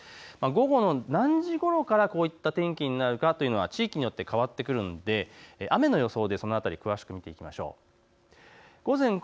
午後の何時ごろから、こういう天気になるかというのは地域によって変わってくるので雨の予想でその辺りを詳しく見てみましょう。